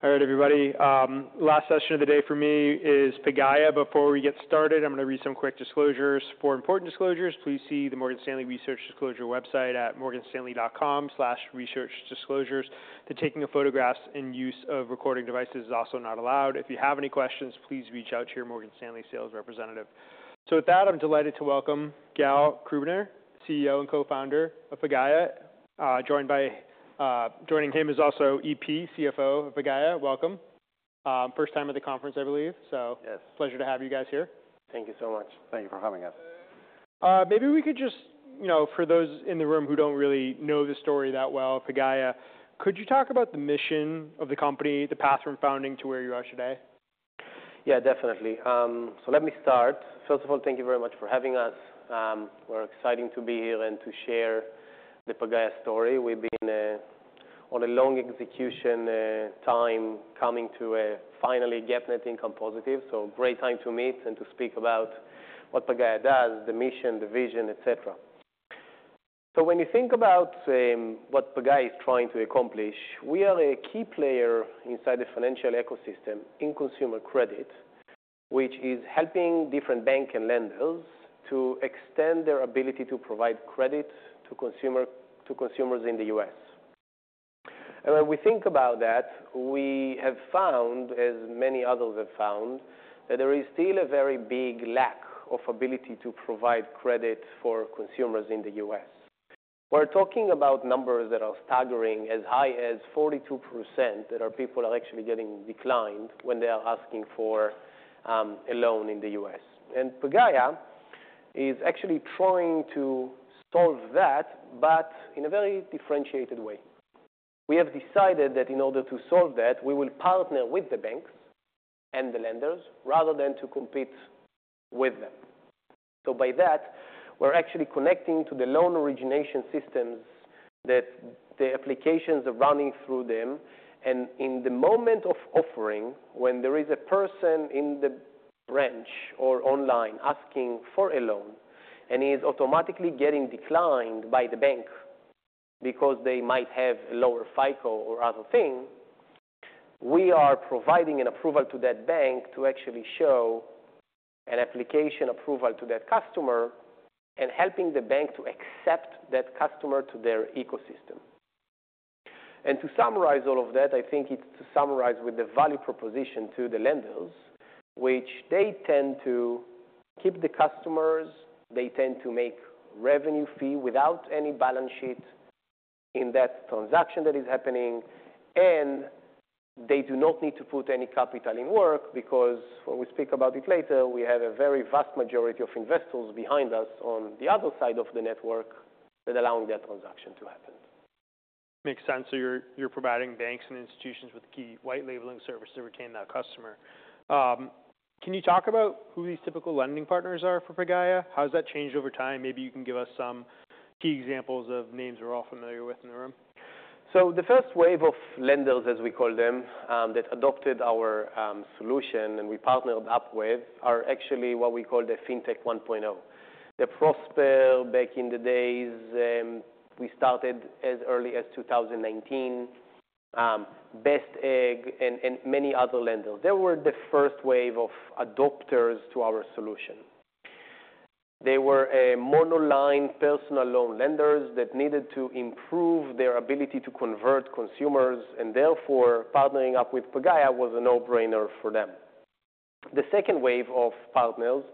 All right, everybody. Last session of the day for me is Pagaya. Before we get started, I'm going to read some quick disclosures. For important disclosures, please see the Morgan Stanley Research Disclosure website at morganstanley.com/researchdisclosures. The taking of photographs and use of recording devices is also not allowed. If you have any questions, please reach out to your Morgan Stanley sales representative. With that, I'm delighted to welcome Gal Krubiner, CEO and Co-founder of Pagaya. Joining him is also EP, CFO of Pagaya. Welcome. First time at the conference, I believe. Yes. Pleasure to have you guys here. Thank you so much. Thank you for having us. Maybe we could just, you know, for those in the room who don't really know the story that well, Pagaya, could you talk about the mission of the company, the path from founding to where you are today? Yeah, definitely. So let me start. First of all, thank you very much for having us. We're excited to be here and to share the Pagaya story. We've been on a long execution, time coming to finally get net income positive. Great time to meet and to speak about what Pagaya does, the mission, the vision, etc. When you think about what Pagaya is trying to accomplish, we are a key player inside the financial ecosystem in consumer credit, which is helping different banks and lenders to extend their ability to provide credit to consumers, to consumers in the U.S. When we think about that, we have found, as many others have found, that there is still a very big lack of ability to provide credit for consumers in the U.S. We're talking about numbers that are staggering, as high as 42%, that our people are actually getting declined when they are asking for a loan in the U.S.. Pagaya is actually trying to solve that, but in a very differentiated way. We have decided that in order to solve that, we will partner with the banks and the lenders rather than to compete with them. By that, we're actually connecting to the loan origination systems that the applications are running through them. In the moment of offering, when there is a person in the branch or online asking for a loan and he is automatically getting declined by the bank because they might have a lower FICO or other thing, we are providing an approval to that bank to actually show an application approval to that customer and helping the bank to accept that customer to their ecosystem. To summarize all of that, I think it's to summarize with the value proposition to the lenders, which they tend to keep the customers, they tend to make revenue fee without any balance sheet in that transaction that is happening, and they do not need to put any capital in work because, when we speak about it later, we have a very vast majority of investors behind us on the other side of the network that are allowing that transaction to happen. Makes sense. You're providing banks and institutions with key white labeling service to retain that customer. Can you talk about who these typical lending partners are for Pagaya? How's that changed over time? Maybe you can give us some key examples of names we're all familiar with in the room. The first wave of lenders, as we call them, that adopted our solution and we partnered up with are actually what we call the FinTech 1.0. Prosper back in the days, we started as early as 2019, Best Egg and many other lenders. They were the first wave of adopters to our solution. They were monoline personal loan lenders that needed to improve their ability to convert consumers, and therefore partnering up with Pagaya was a no-brainer for them. The second wave of partners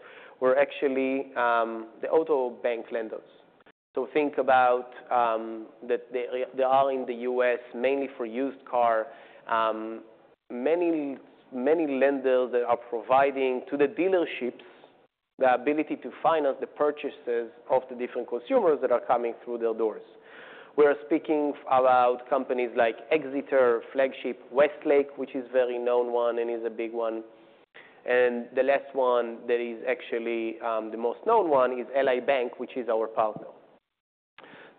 were actually the auto bank lenders. Think about that, they are in the U.S. mainly for used car, many lenders that are providing to the dealerships the ability to finance the purchases of the different consumers that are coming through their doors. We are speaking about companies like Exeter, Flagstar, Westlake, which is a very known one and is a big one. The last one that is actually the most known one is Ally Bank, which is our partner.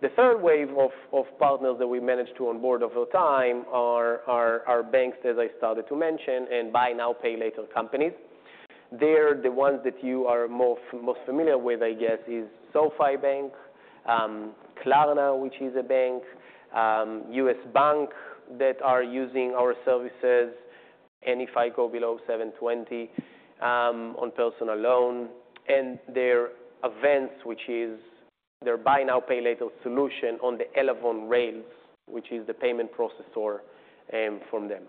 The third wave of partners that we managed to onboard over time are banks, as I started to mention, and buy now, pay later companies. The ones that you are most familiar with, I guess, are SoFi, Klarna, which is a bank, U.S. Bank that are using our services, any FICO below 720, on personal loan, and their Avvance, which is their buy now, pay later solution on the Elavon rails, which is the payment processor from them.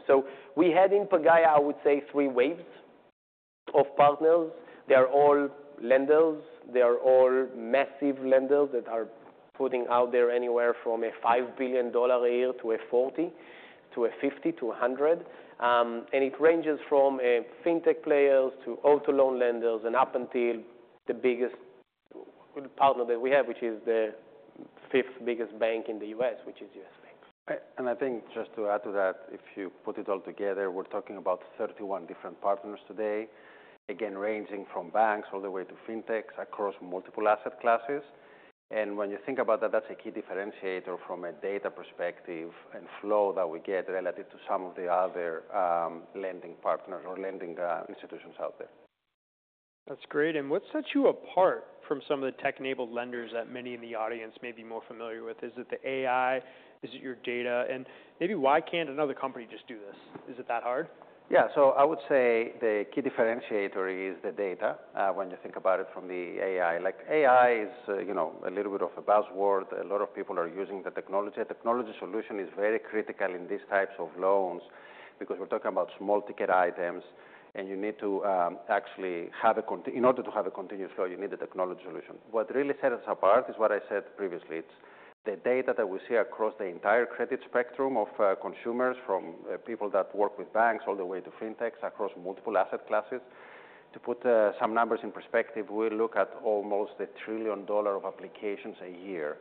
We had in Pagaya, I would say, three waves of partners. They are all lenders. They are all massive lenders that are putting out there anywhere from a $5 billion a year to a $40 billion to a $50 billion to $100 billion. It ranges from FinTech players to auto loan lenders and up until the biggest partner that we have, which is the fifth biggest bank in the U.S., which is U.S. Bank. I think just to add to that, if you put it all together, we're talking about 31 different partners today, again, ranging from banks all the way to FinTechs across multiple asset classes. When you think about that, that's a key differentiator from a data perspective and flow that we get relative to some of the other lending partners or lending institutions out there. That's great. What sets you apart from some of the tech-enabled lenders that many in the audience may be more familiar with? Is it the AI? Is it your data? Maybe why can't another company just do this? Is it that hard? Yeah. I would say the key differentiator is the data, when you think about it from the AI. Like AI is, you know, a little bit of a buzzword. A lot of people are using the technology. A technology solution is very critical in these types of loans because we're talking about small ticket items, and you need to, actually have a conti, in order to have a continuous flow, you need a technology solution. What really sets us apart is what I said previously. It's the data that we see across the entire credit spectrum of consumers, from people that work with banks all the way to FinTechs across multiple asset classes. To put some numbers in perspective, we look at almost $1 trillion of applications a year.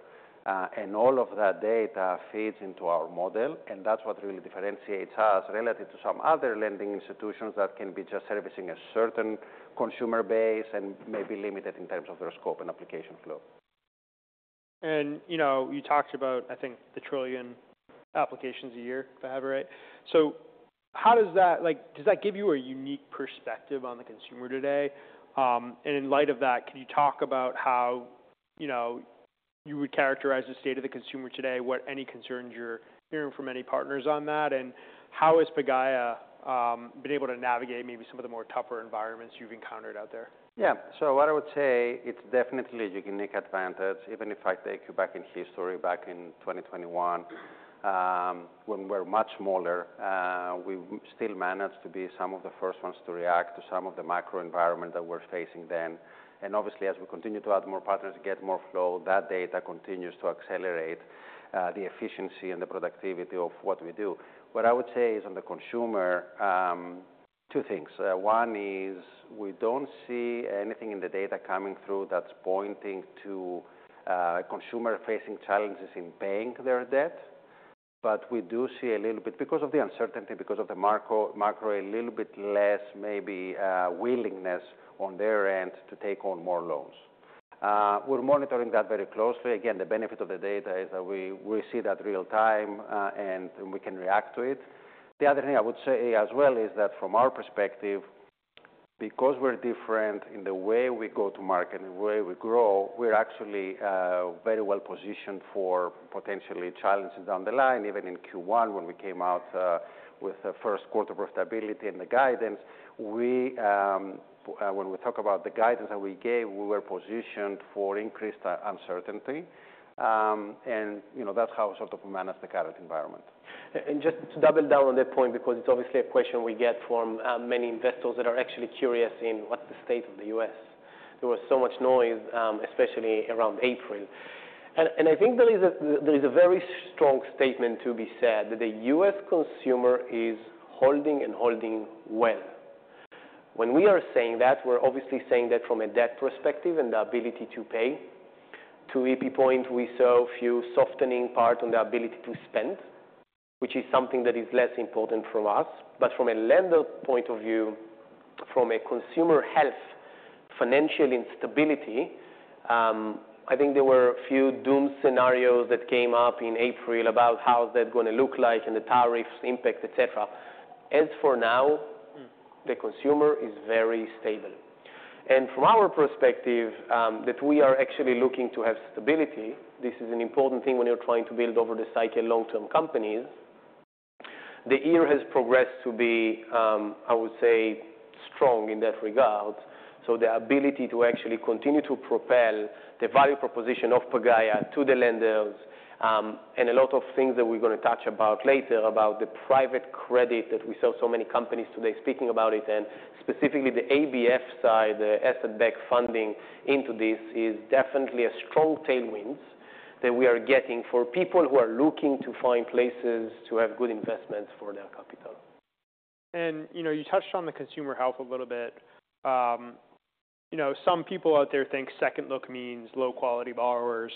And all of that data feeds into our model, and that's what really differentiates us relative to some other lending institutions that can be just servicing a certain consumer base and may be limited in terms of their scope and application flow. You talked about, I think, the trillion applications a year, if I have it right. Does that give you a unique perspective on the consumer today? In light of that, can you talk about how you would characterize the state of the consumer today, what any concerns you're hearing from any partners on that, and how has Pagaya been able to navigate maybe some of the more tougher environments you've encountered out there? Yeah. What I would say, it's definitely a unique advantage. Even if I take you back in history, back in 2021, when we were much smaller, we still managed to be some of the first ones to react to some of the macro environment that we were facing then. Obviously, as we continue to add more partners and get more flow, that data continues to accelerate, the efficiency and the productivity of what we do. What I would say is on the consumer, two things. One is we don't see anything in the data coming through that's pointing to consumer-facing challenges in paying their debt, but we do see a little bit, because of the uncertainty, because of the macro, a little bit less maybe, willingness on their end to take on more loans. We're monitoring that very closely. Again, the benefit of the data is that we see that real time, and we can react to it. The other thing I would say as well is that from our perspective, because we're different in the way we go to market and the way we grow, we're actually very well positioned for potentially challenges down the line. Even in Q1, when we came out with the first quarter profitability and the guidance, we, when we talk about the guidance that we gave, we were positioned for increased uncertainty. And, you know, that's how we sort of managed the current environment. Just to double down on that point, because it's obviously a question we get from many investors that are actually curious in what's the state of the U.S.. There was so much noise, especially around April. I think there is a very strong statement to be said that the U.S. consumer is holding and holding well. When we are saying that, we're obviously saying that from a debt perspective and the ability to pay. To EP point, we saw a few softening parts on the ability to spend, which is something that is less important for us. From a lender point of view, from a consumer health, financial instability, I think there were a few doom scenarios that came up in April about how's that gonna look like and the tariffs impact, etc. As for now, the consumer is very stable. From our perspective, we are actually looking to have stability. This is an important thing when you are trying to build over the cycle long-term companies. The year has progressed to be, I would say, strong in that regard. The ability to actually continue to propel the value proposition of Pagaya to the lenders, and a lot of things that we are going to touch about later about the private credit that we saw so many companies today speaking about it, and specifically the asset-backed funding into this, is definitely a strong tailwind that we are getting for people who are looking to find places to have good investments for their capital. You know, you touched on the consumer health a little bit. You know, some people out there think second look means low-quality borrowers.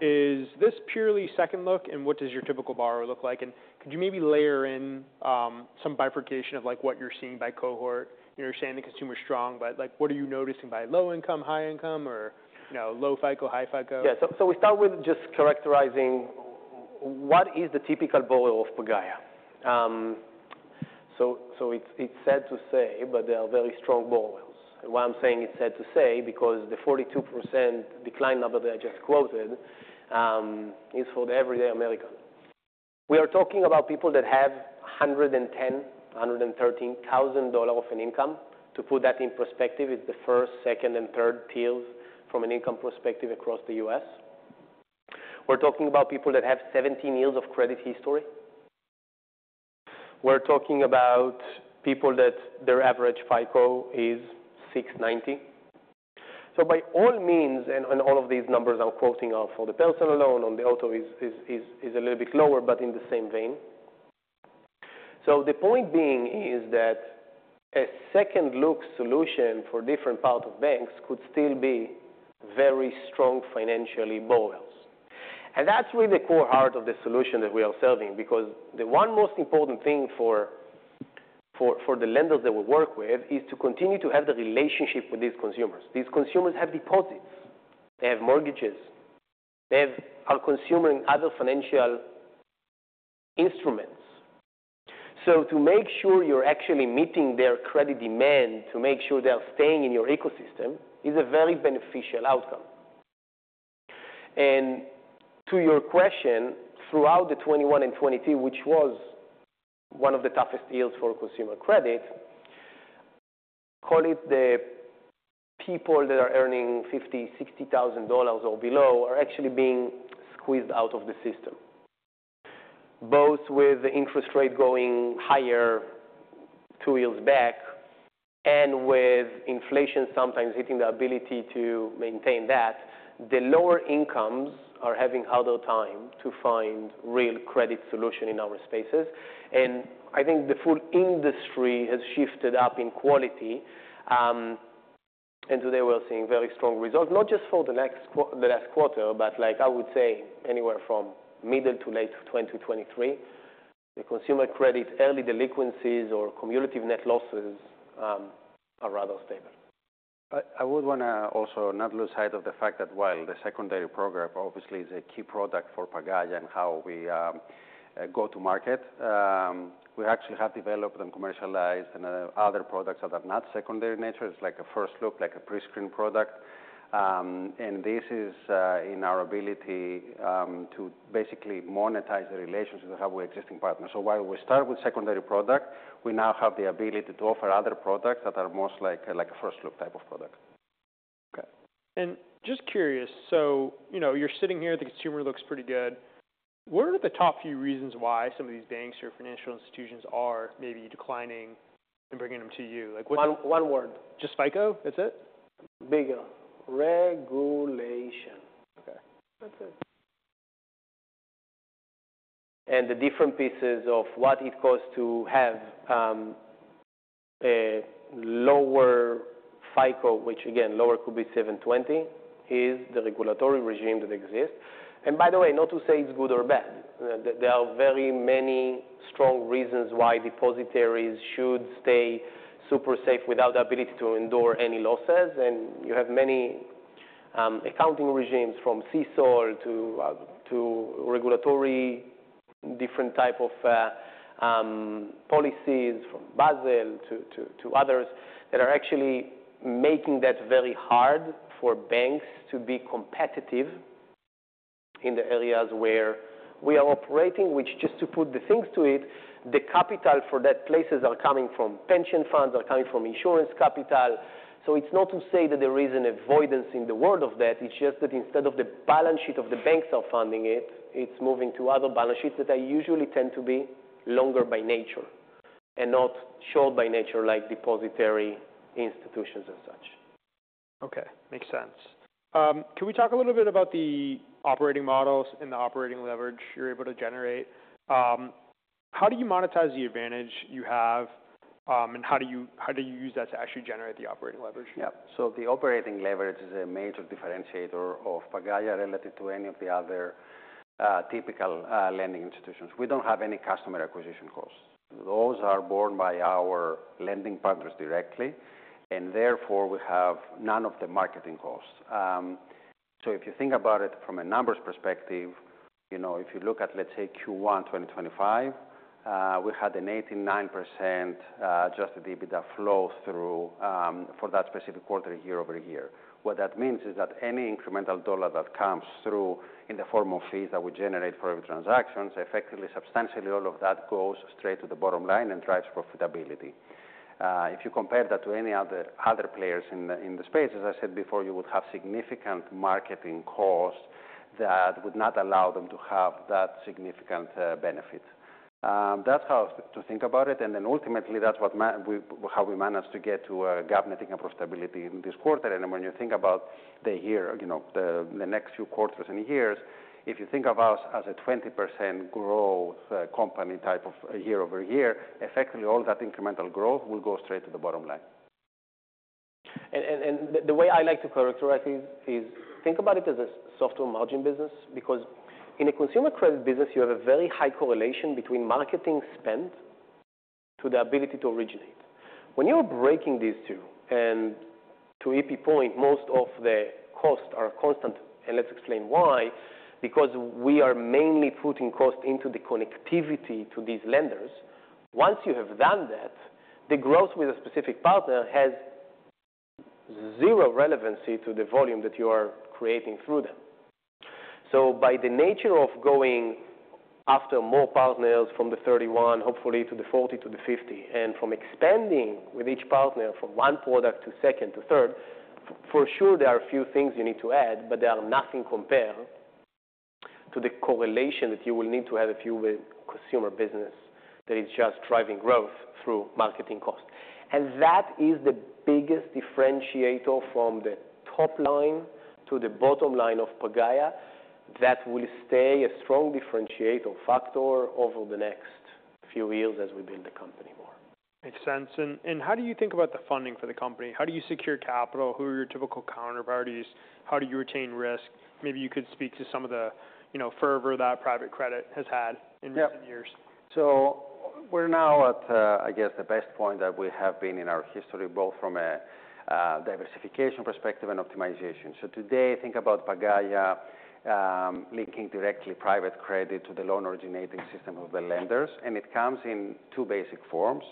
Is this purely second look, and what does your typical borrower look like? Could you maybe layer in, some bifurcation of, like, what you're seeing by cohort? You know, you're saying the consumer's strong, but, like, what are you noticing by low income, high income, or, you know, low FICO, high FICO? Yeah. We start with just characterizing what is the typical borrower of Pagaya. It's sad to say, but they are very strong borrowers. Why I'm saying it's sad to say, because the 42% decline number that I just quoted is for the everyday American. We are talking about people that have $110,000-$113,000 of an income. To put that in perspective, it's the first, second, and third tiers from an income perspective across the U.S.. We're talking about people that have 17 years of credit history. We're talking about people that their average FICO is 690. By all means, all of these numbers I'm quoting are for the personal loan. On the auto, it's a little bit lower, but in the same vein. The point being is that a second look solution for different parts of banks could still be very strong financially borrowers. That is really the core heart of the solution that we are serving, because the one most important thing for the lenders that we work with is to continue to have the relationship with these consumers. These consumers have deposits. They have mortgages. They are consuming other financial instruments. To make sure you are actually meeting their credit demand, to make sure they are staying in your ecosystem, is a very beneficial outcome. To your question, throughout 2021 and 2022, which was one of the toughest years for consumer credit, call it the people that are earning $50,000-$60,000 or below are actually being squeezed out of the system. Both with the interest rate going higher two years back and with inflation sometimes hitting the ability to maintain that, the lower incomes are having a harder time to find real credit solution in our spaces. I think the full industry has shifted up in quality. Today we're seeing very strong results, not just for the last quarter, but, like, I would say anywhere from middle to late 2023. The consumer credit early delinquencies or cumulative net losses are rather stable. I would wanna also not lose sight of the fact that while the secondary program obviously is a key product for Pagaya and how we go to market, we actually have developed and commercialized other products that are not secondary in nature. It's like a first look, like a pre-screen product. This is in our ability to basically monetize the relationship that we have with existing partners. While we start with secondary product, we now have the ability to offer other products that are most like, like a first look type of product. Okay. Just curious, you know, you're sitting here, the consumer looks pretty good. What are the top few reasons why some of these banks or financial institutions are maybe declining and bringing them to you? Like what. One word. Just FICO? That's it? Bigo. Regulation. Okay. That's it. The different pieces of what it costs to have a lower FICO, which again, lower could be 720, is the regulatory regime that exists. By the way, not to say it's good or bad. There are very many strong reasons why depositaries should stay super safe without the ability to endure any losses. You have many accounting regimes from CECL to regulatory different type of policies from Basel to others that are actually making that very hard for banks to be competitive in the areas where we are operating, which just to put the things to it, the capital for that places are coming from pension funds, are coming from insurance capital. It's not to say that there is an avoidance in the world of that. It's just that instead of the balance sheet of the banks are funding it, it's moving to other balance sheets that usually tend to be longer by nature and not short by nature like depositary institutions and such. Okay. Makes sense. Can we talk a little bit about the operating models and the operating leverage you're able to generate? How do you monetize the advantage you have, and how do you, how do you use that to actually generate the operating leverage? Yeah. So the operating leverage is a major differentiator of Pagaya relative to any of the other, typical, lending institutions. We do not have any customer acquisition costs. Those are borne by our lending partners directly, and therefore we have none of the marketing costs. So if you think about it from a numbers perspective, you know, if you look at, let's say, Q1 2025, we had an 89% adjusted EBITDA flow through for that specific quarter year over year. What that means is that any incremental dollar that comes through in the form of fees that we generate for every transaction, so effectively, substantially, all of that goes straight to the bottom line and drives profitability. If you compare that to any other players in the space, as I said before, you would have significant marketing costs that would not allow them to have that significant benefit. That's how to think about it. Ultimately, that's what made we how we managed to get to GAAP net income and profitability in this quarter. When you think about the year, you know, the next few quarters and years, if you think of us as a 20% growth company type of year-over-year, effectively, all that incremental growth will go straight to the bottom line. The way I like to characterize it is, think about it as a software margin business, because in a consumer credit business, you have a very high correlation between marketing spend to the ability to originate. When you're breaking these two, and to EP point, most of the costs are constant, and let's explain why, because we are mainly putting cost into the connectivity to these lenders. Once you have done that, the growth with a specific partner has zero relevancy to the volume that you are creating through them. By the nature of going after more partners from the 31, hopefully to the 40, to the 50, and from expanding with each partner from one product to second to third, for sure there are a few things you need to add, but there are nothing compared to the correlation that you will need to have if you were a consumer business that is just driving growth through marketing cost. That is the biggest differentiator from the top line to the bottom line of Pagaya that will stay a strong differentiator factor over the next few years as we build the company more. Makes sense. How do you think about the funding for the company? How do you secure capital? Who are your typical counterparties? How do you retain risk? Maybe you could speak to some of the, you know, fervor that private credit has had in recent years. Yeah. We're now at, I guess, the best point that we have been in our history, both from a diversification perspective and optimization. Today, think about Pagaya, linking directly private credit to the loan originating system of the lenders. It comes in two basic forms: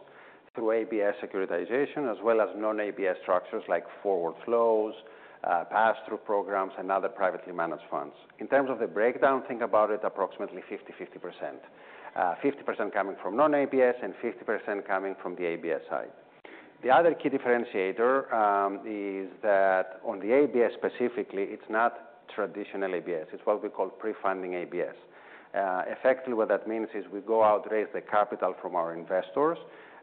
through ABS securitization, as well as non-ABS structures like forward flows, pass-through programs, and other privately managed funds. In terms of the breakdown, think about it approximately 50-50%. 50% coming from non-ABS and 50% coming from the ABS side. The other key differentiator is that on the ABS specifically, it's not traditional ABS. It's what we call pre-funding ABS. Effectively, what that means is we go out, raise the capital from our investors,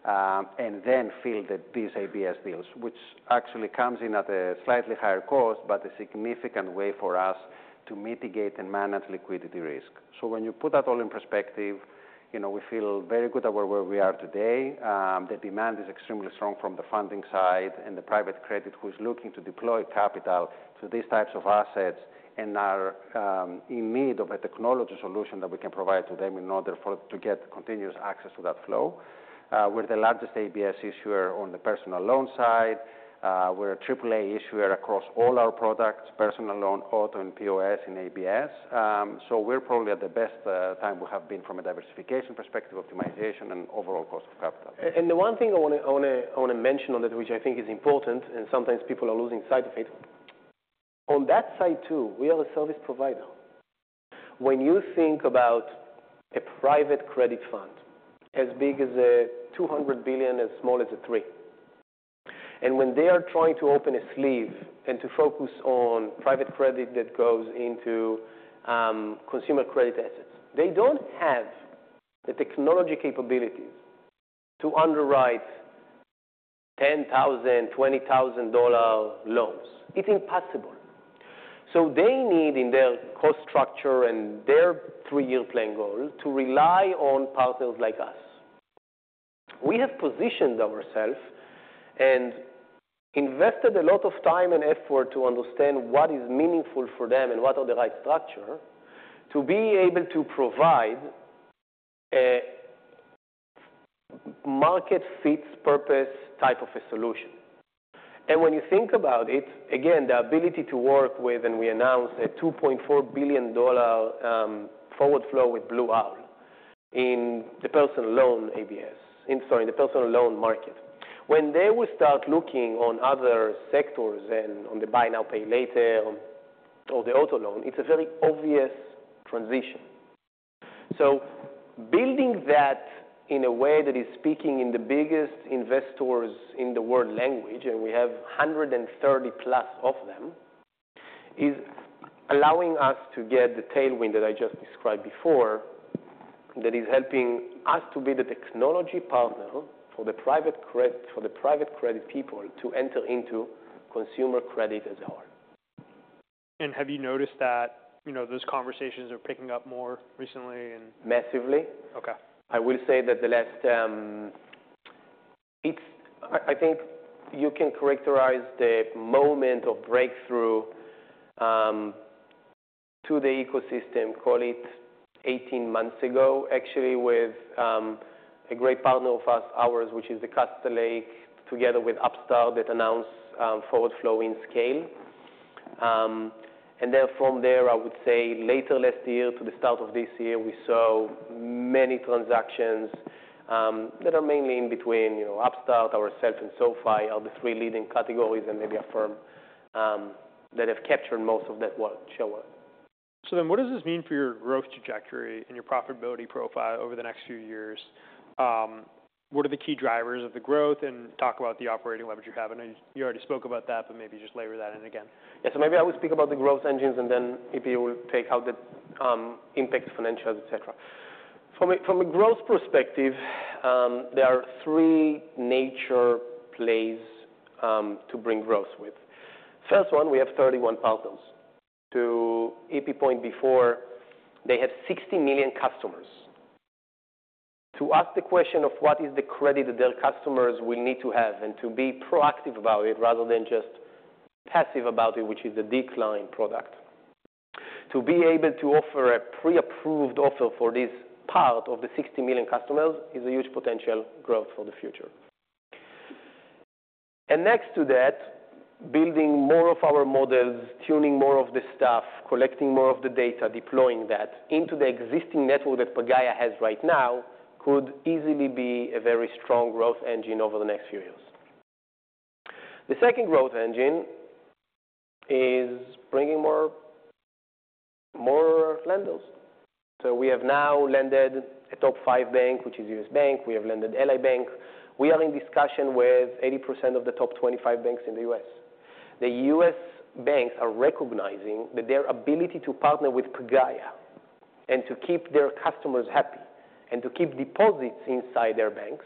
and then fill these ABS deals, which actually comes in at a slightly higher cost, but a significant way for us to mitigate and manage liquidity risk. When you put that all in perspective, you know, we feel very good about where we are today. The demand is extremely strong from the funding side and the private credit who is looking to deploy capital to these types of assets and are in need of a technology solution that we can provide to them in order to get continuous access to that flow. We're the largest ABS issuer on the personal loan side. We're a AAA issuer across all our products: personal loan, auto, and POS in ABS. We're probably at the best time we have been from a diversification perspective, optimization, and overall cost of capital. The one thing I wanna mention on that, which I think is important, and sometimes people are losing sight of it, on that side too, we are a service provider. When you think about a private credit fund as big as $200 billion, as small as $3 billion, and when they are trying to open a sleeve and to focus on private credit that goes into consumer credit assets, they do not have the technology capabilities to underwrite $10,000-$20,000 loans. It is impossible. They need, in their cost structure and their three-year plan goal, to rely on partners like us. We have positioned ourselves and invested a lot of time and effort to understand what is meaningful for them and what are the right structures to be able to provide a market fits purpose type of a solution. When you think about it, again, the ability to work with, and we announced a $2.4 billion forward flow with Blue Owl in the personal loan ABS, in, sorry, in the personal loan market. When they will start looking on other sectors and on the buy now, pay later or the auto loan, it's a very obvious transition. Building that in a way that is speaking in the biggest investors in the world language, and we have 130 plus of them, is allowing us to get the tailwind that I just described before that is helping us to be the technology partner for the private credit people to enter into consumer credit as a whole. Have you noticed that, you know, those conversations are picking up more recently? Massively. Okay. I will say that the last, it's, I think you can characterize the moment of breakthrough to the ecosystem, call it 18 months ago, actually, with a great partner of ours, which is Castlelake, together with Upstart that announced forward flow in scale. From there, I would say later last year to the start of this year, we saw many transactions that are mainly in between, you know, Upstart, ourself, and SoFi are the three leading categories and maybe Affirm, that have captured most of that share work. What does this mean for your growth trajectory and your profitability profile over the next few years? What are the key drivers of the growth and talk about the operating leverage you have? You already spoke about that, but maybe just layer that in again. Yeah. Maybe I will speak about the growth engines and then if you will take out the impact financials, etc. From a growth perspective, there are three major plays to bring growth with. First one, we have 31 partners. To EP's point before, they have 60 million customers. To ask the question of what is the credit that their customers will need to have and to be proactive about it rather than just passive about it, which is the decline product, to be able to offer a pre-approved offer for this part of the 60 million customers is a huge potential growth for the future. Next to that, building more of our models, tuning more of the stuff, collecting more of the data, deploying that into the existing network that Pagaya has right now could easily be a very strong growth engine over the next few years. The second growth engine is bringing more, more lenders. We have now lended a top five bank, which is U.S. Bank. We have lended Ally Bank. We are in discussion with 80% of the top 25 banks in the U.S.. The U.S. banks are recognizing that their ability to partner with Pagaya and to keep their customers happy and to keep deposits inside their banks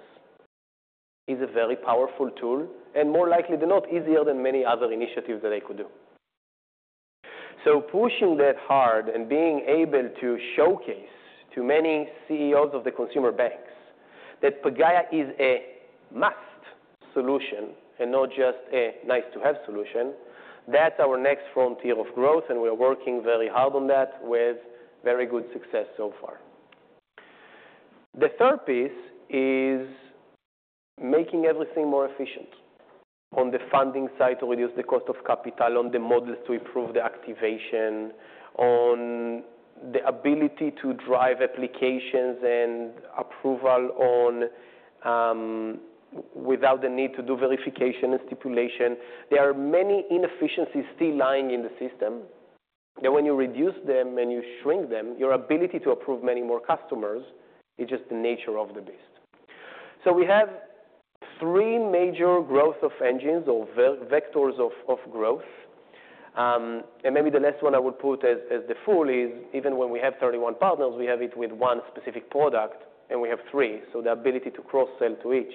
is a very powerful tool and more likely than not, easier than many other initiatives that they could do. Pushing that hard and being able to showcase to many CEOs of the consumer banks that Pagaya is a must solution and not just a nice-to-have solution, that's our next frontier of growth, and we are working very hard on that with very good success so far. The third piece is making everything more efficient on the funding side to reduce the cost of capital, on the models to improve the activation, on the ability to drive applications and approval on, without the need to do verification and stipulation. There are many inefficiencies still lying in the system that when you reduce them and you shrink them, your ability to approve many more customers is just the nature of the beast. We have three major growth engines or vectors of growth. And maybe the last one I would put as the full is even when we have 31 partners, we have it with one specific product, and we have three. The ability to cross-sell to each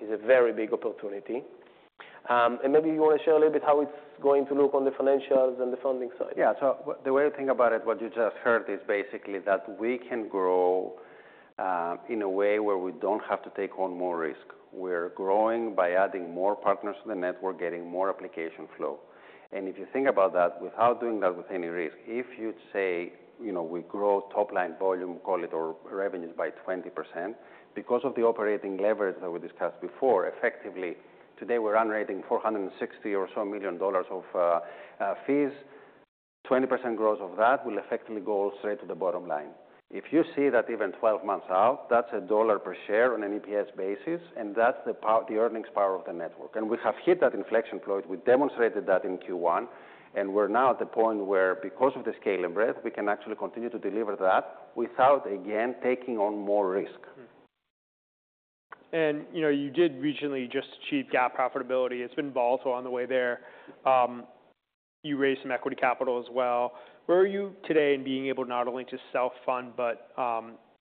is a very big opportunity. And maybe you wanna share a little bit how it's going to look on the financials and the funding side. Yeah. The way to think about it, what you just heard is basically that we can grow in a way where we do not have to take on more risk. We are growing by adding more partners to the network, getting more application flow. If you think about that, without doing that with any risk, if you say, you know, we grow top line volume, call it, or revenues by 20% because of the operating leverage that we discussed before, effectively, today we are unrating $460 million or so of fees. 20% growth of that will effectively go straight to the bottom line. If you see that even 12 months out, that is a dollar per share on an EPS basis, and that is the power, the earnings power of the network. We have hit that inflection point. We demonstrated that in Q1, and we're now at the point where, because of the scale and breadth, we can actually continue to deliver that without, again, taking on more risk. You know, you did recently just achieve GAAP profitability. It's been volatile on the way there. You raised some equity capital as well. Where are you today in being able to not only just self-fund but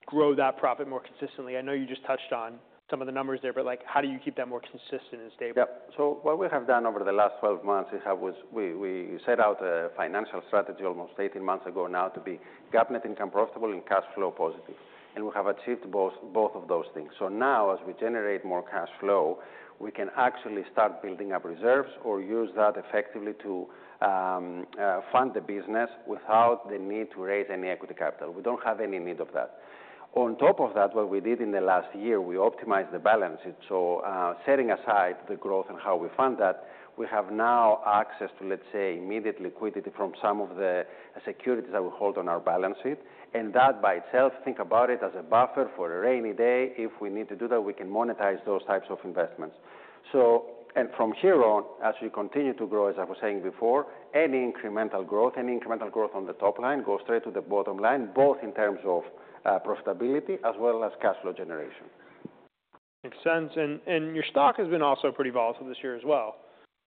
grow that profit more consistently? I know you just touched on some of the numbers there, but like, how do you keep that more consistent and stable? Yeah. What we have done over the last 12 months is how we set out a financial strategy almost 18 months ago now to be GAAP netting and profitable and cash flow positive. We have achieved both of those things. Now, as we generate more cash flow, we can actually start building up reserves or use that effectively to fund the business without the need to raise any equity capital. We do not have any need of that. On top of that, what we did in the last year, we optimized the balance sheet. Setting aside the growth and how we fund that, we have now access to, let's say, immediate liquidity from some of the securities that we hold on our balance sheet. That by itself, think about it as a buffer for a rainy day. If we need to do that, we can monetize those types of investments. From here on, as we continue to grow, as I was saying before, any incremental growth, any incremental growth on the top line goes straight to the bottom line, both in terms of profitability as well as cash flow generation. Makes sense. And your stock has been also pretty volatile this year as well.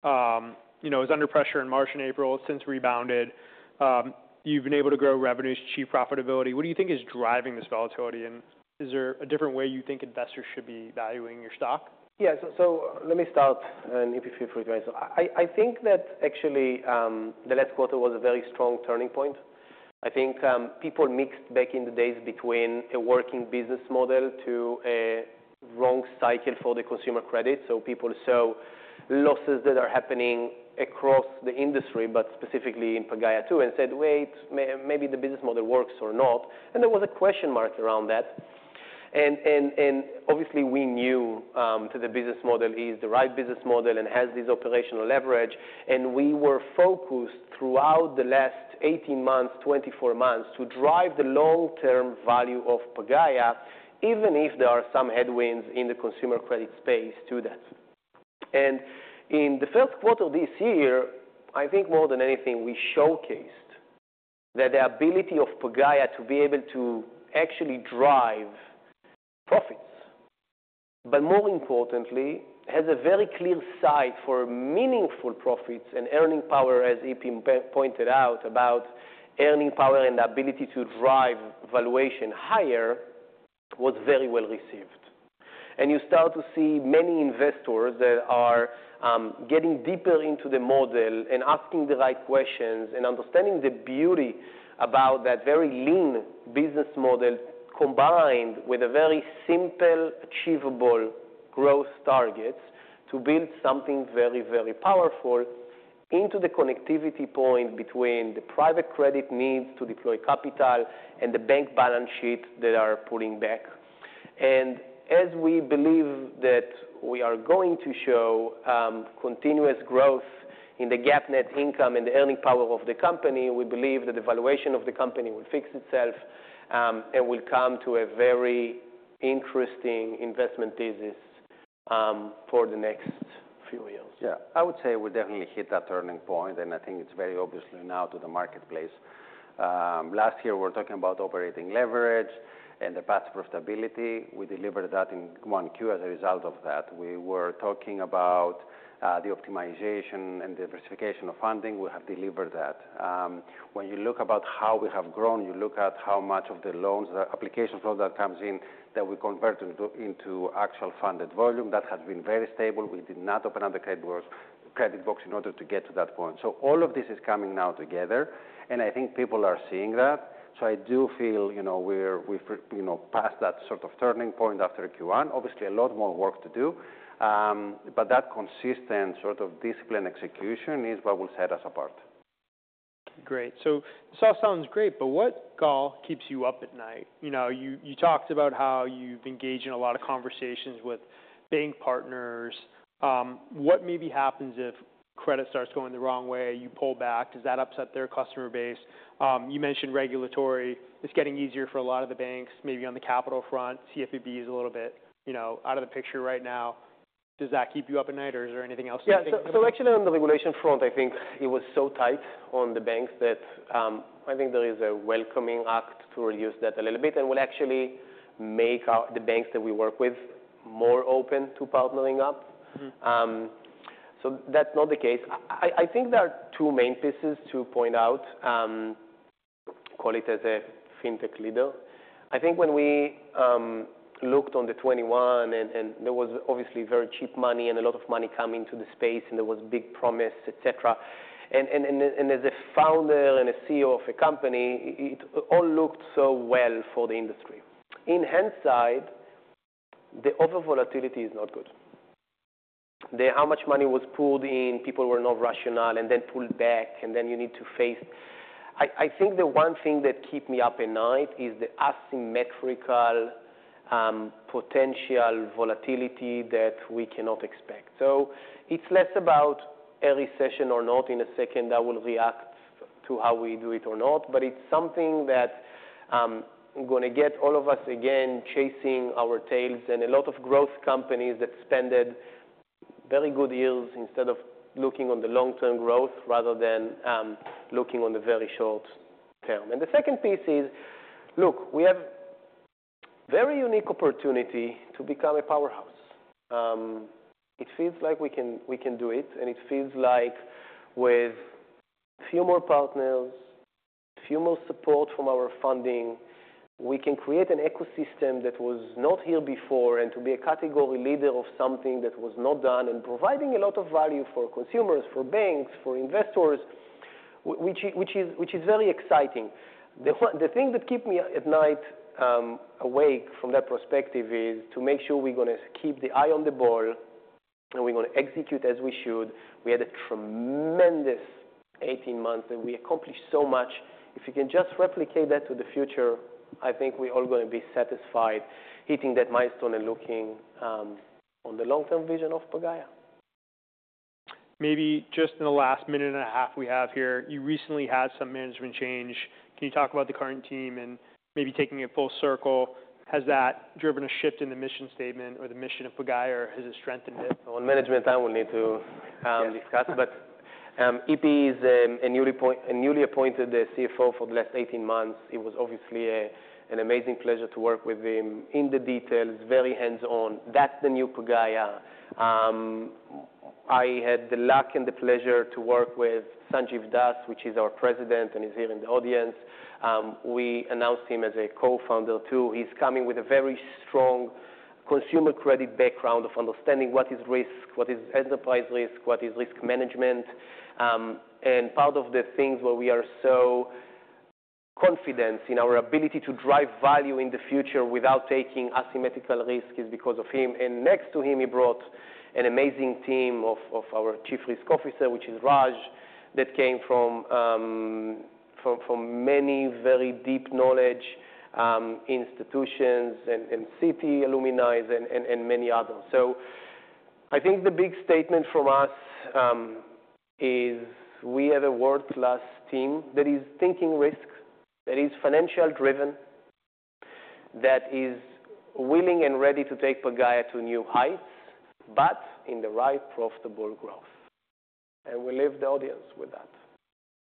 You know, it was under pressure in March and April. It's since rebounded. You've been able to grow revenues, achieve profitability. What do you think is driving this volatility? And is there a different way you think investors should be valuing your stock? Yeah. Let me start an EPP for you, guys. I think that actually, the last quarter was a very strong turning point. I think people mixed back in the days between a working business model to a wrong cycle for the consumer credit. People saw losses that are happening across the industry, but specifically in Pagaya too, and said, "Wait, maybe the business model works or not." There was a question mark around that. Obviously, we knew that the business model is the right business model and has this operational leverage. We were focused throughout the last 18 months, 24 months, to drive the long-term value of Pagaya, even if there are some headwinds in the consumer credit space to that. In the first quarter of this year, I think more than anything, we showcased that the ability of Pagaya to be able to actually drive profits, but more importantly, has a very clear sight for meaningful profits and earning power, as EP pointed out, about earning power and the ability to drive valuation higher was very well received. You start to see many investors that are getting deeper into the model and asking the right questions and understanding the beauty about that very lean business model combined with a very simple, achievable growth target to build something very, very powerful into the connectivity point between the private credit needs to deploy capital and the bank balance sheet that are pulling back. As we believe that we are going to show continuous growth in the GAAP net income and the earning power of the company, we believe that the valuation of the company will fix itself, and will come to a very interesting investment thesis for the next few years. Yeah. I would say we definitely hit that turning point, and I think it's very obvious now to the marketplace. Last year, we were talking about operating leverage and the path to profitability. We delivered that in Q1 as a result of that. We were talking about the optimization and diversification of funding. We have delivered that. When you look at how we have grown, you look at how much of the loans, the application flow that comes in that we convert into actual funded volume, that has been very stable. We did not open up the credit box in order to get to that point. All of this is coming now together, and I think people are seeing that. I do feel, you know, we've passed that sort of turning point after Q1. Obviously, a lot more work to do, but that consistent sort of discipline execution is what will set us apart. Great. This all sounds great, but what, Gal, keeps you up at night? You know, you talked about how you've engaged in a lot of conversations with bank partners. What maybe happens if credit starts going the wrong way, you pull back? Does that upset their customer base? You mentioned regulatory. It's getting easier for a lot of the banks, maybe on the capital front. CFPB is a little bit, you know, out of the picture right now. Does that keep you up at night, or is there anything else you think? Yeah. Actually, on the regulation front, I think it was so tight on the banks that I think there is a welcoming act to reduce that a little bit and will actually make the banks that we work with more open to partnering up. That's not the case. I think there are two main pieces to point out. Call it as a fintech leader. I think when we looked on the 2021 and there was obviously very cheap money and a lot of money coming to the space, and there was big promise, etc. As a founder and a CEO of a company, it all looked so well for the industry. In hindsight, the over-volatility is not good. How much money was pulled in, people were not rational, and then pulled back, and then you need to face. I think the one thing that keeps me up at night is the asymmetrical, potential volatility that we cannot expect. It is less about a recession or not in a second that will react to how we do it or not, but it is something that is gonna get all of us again chasing our tails and a lot of growth companies that spend very good years instead of looking on the long-term growth rather than looking on the very short term. The second piece is, look, we have a very unique opportunity to become a powerhouse. It feels like we can, we can do it, and it feels like with a few more partners, a few more support from our funding, we can create an ecosystem that was not here before and to be a category leader of something that was not done and providing a lot of value for consumers, for banks, for investors, which is very exciting. The thing that keeps me at night, awake from that perspective is to make sure we're gonna keep the eye on the ball and we're gonna execute as we should. We had a tremendous 18 months that we accomplished so much. If you can just replicate that to the future, I think we're all gonna be satisfied hitting that milestone and looking, on the long-term vision of Pagaya. Maybe just in the last minute and a half we have here, you recently had some management change. Can you talk about the current team and maybe taking it full circle? Has that driven a shift in the mission statement or the mission of Pagaya, or has it strengthened it? On management, I will need to discuss, but EP is a newly appointed CFO for the last 18 months. It was obviously an amazing pleasure to work with him in the details, very hands-on. That's the new Pagaya. I had the luck and the pleasure to work with Sanjiv Das, which is our President and is here in the audience. We announced him as a co-founder too. He's coming with a very strong consumer credit background of understanding what is risk, what is enterprise risk, what is risk management. Part of the things where we are so confident in our ability to drive value in the future without taking asymmetrical risk is because of him. Next to him, he brought an amazing team of our Chief Risk Officer, which is Raj, that came from many very deep knowledge institutions and Citi alumni and many others. I think the big statement from us is we have a world-class team that is thinking risk, that is financial-driven, that is willing and ready to take Pagaya to new heights, but in the right profitable growth. We leave the audience with that.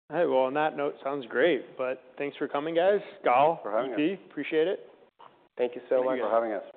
Hey, on that note, sounds great, but thanks for coming, guys. Gal, EP, appreciate it. Thank you so much. Thank you for having us.